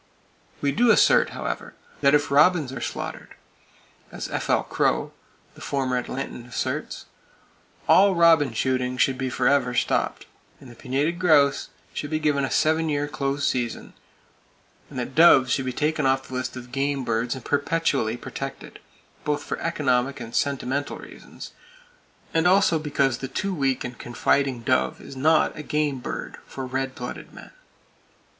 We do assert, however, that if robins are slaughtered as F.L. Crow, the former Atlantan asserts, all robin shooting should be forever stopped; that the pinnated grouse should be given a seven year close season, and that doves should be taken off the list of game birds and perpetually protected, both for economic and sentimental reasons, and also because the too weak and confiding dove is not a "game" bird for red blooded men.